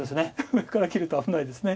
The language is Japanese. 上から切ると危ないです。